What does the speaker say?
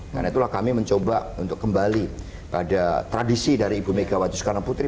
dan itulah kami mencoba untuk kembali pada tradisi dari ibu megawati soekarnoputri